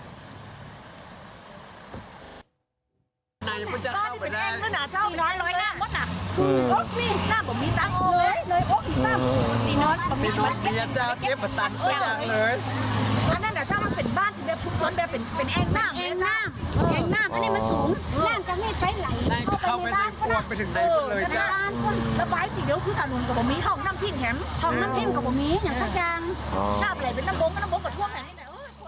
น้ำเพ้มกับหมูนี้อย่างสักอย่างเอาไปเลยเป็นน้ำโบ๊คกับท่วมให้หน่อย